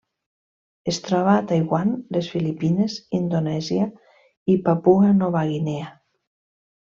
Es troba a Taiwan, les Filipines, Indonèsia i Papua Nova Guinea.